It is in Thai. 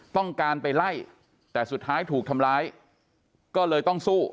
ต้องการไปไล่แต่สุดท้ายถูกทำร้ายก็เลยต้องสู้